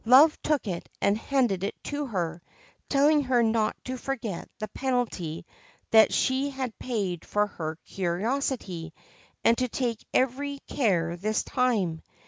Love took it and handed it to her, telling her not to forget the penalty that she had paid for her curiosity, and to take every care this time.